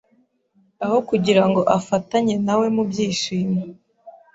aho kugirango afatanye nawe mu byishimo